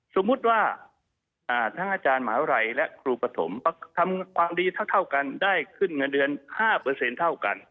สมมุติว่าทั้งอาจารย์อะไรและครูปฐมทำความดีเท่ากันได้ขึ้นเงินเดือน๕เปอร์เซ็นต์เท่ากัน